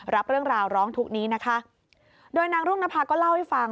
รับเรื่องราวร้องทุกข์นี้นะคะโดยนางรุ่งนภาก็เล่าให้ฟัง